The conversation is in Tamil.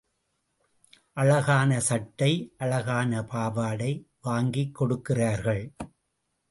அழகான சட்டை, அழகான பாவாடை வாங்கிக் கொடுக்கிறார்கள்.